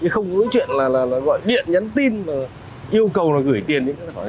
không có chuyện gọi điện nhắn tin yêu cầu gửi tiền